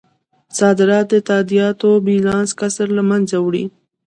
صادرات د تادیاتو بیلانس کسر له مینځه وړي.